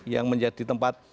yang menjadi tempat